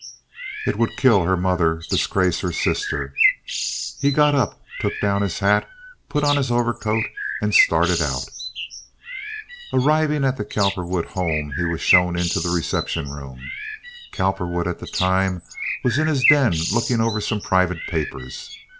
It would kill her mother, disgrace her sister. He got up, took down his hat, put on his overcoat, and started out. Arriving at the Cowperwood home he was shown into the reception room. Cowperwood at the time was in his den looking over some private papers.